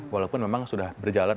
walaupun memang sudah berjalan